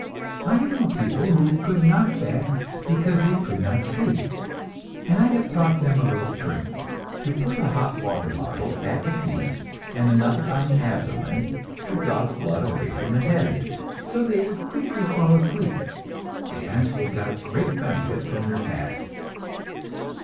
I have known people who could not fast because they could not sleep, and I have taught them a little trick, to put a hot water bottle at the feet, and another on the abdomen, to draw the blood away from the head. So they would quickly fall asleep, and they got great benefit from their fasts.